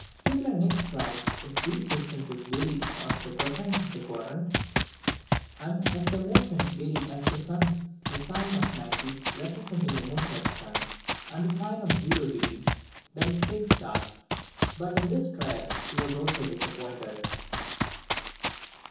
Kepler next tried if these distances varied as the cosines of the quadrant, and if their motion varied as the sun's, the sine of 90 representing the motion at the sun, and the sine of 0° that at the fixed stars; but in this trial he was also disappointed.